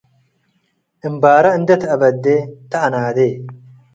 እምባረ እንዴ ተአበዴ፡ ተአናዴ።